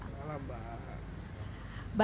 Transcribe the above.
selamat malam mbak